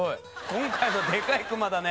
「今回のでかい熊だね。